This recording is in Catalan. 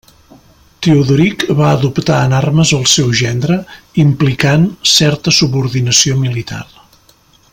Teodoric va adoptar en armes el seu gendre, implicant certa subordinació militar.